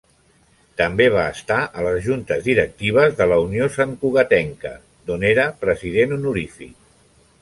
També va estar a les juntes directives de La Unió Santcugatenca, d'on era President Honorífic.